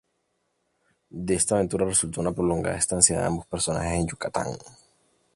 De esta aventura, resultó una prolongada estancia de ambos personajes en Yucatán.